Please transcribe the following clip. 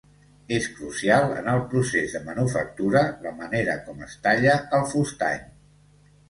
És crucial en el procés de manufactura la manera com es talla el fustany.